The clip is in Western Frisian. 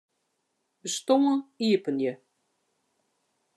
Bestân iepenje.